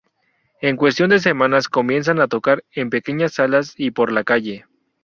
En cuestión de semanas comienzan a tocar en pequeñas salas y por la calle.